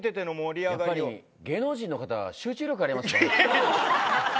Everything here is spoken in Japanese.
やっぱり芸能人の方は集中力がありますね。